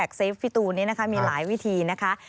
็อเซฟฟิตูนนะคะมีไหลวิธีนะคะ